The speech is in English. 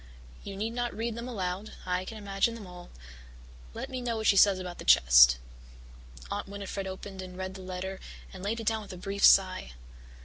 You need not read them aloud I can imagine them all. Let me know what she says about the chest." Aunt Winnifred opened and read the letter and laid it down with a brief sigh.